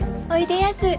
おいでやす。